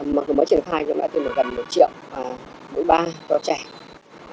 mới triển khai chúng ta đã tiêm được gần một triệu mũi ba cho trẻ